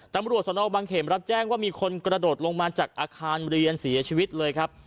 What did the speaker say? ตำรวจสนบังเขมรับแจ้งว่ามีคนกระโดดลงมาจากอาคารเรียนเสียชีวิตเลยครับ